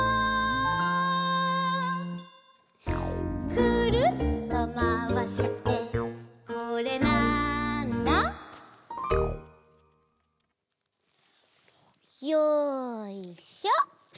「くるっとまわしてこれ、なんだ？」よいしょ！